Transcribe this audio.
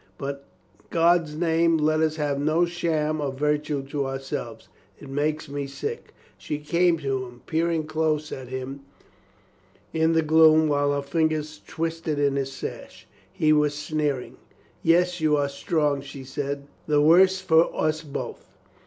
But, i' God's name, let us have no sham of virtue to ourselves. It makes me sick." She came to him, peering close at him in the 22« COLONEL GREATHEART gloom while her fingers twisted in his sash. He was sneering. "Yes, you are strong," she said. "The worse for us both.